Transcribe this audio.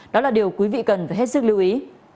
đó là điều quý vị cần phải hết sức lưu ý